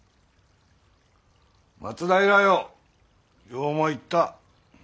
松平よよう参った。